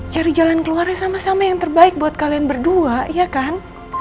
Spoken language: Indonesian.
cari jalan keluarnya sama sama yang terbaik buat kalian berdua ya kan